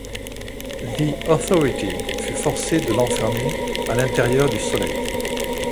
The Authority fut forcé de l'enfermer à l'intérieur du soleil.